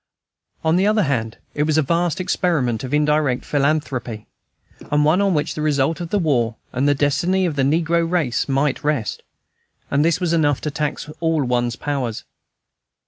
On the other hand, it was a vast experiment of indirect philanthropy, and one on which the result of the war and the destiny of the negro race might rest; and this was enough to tax all one's powers.